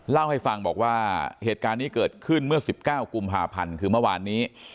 เล่าให้ฟังบอกว่าเหตุการณ์นี้เกิดขึ้นเมื่อ๑๙กุมภาพันธ์คือเมื่อวานนี้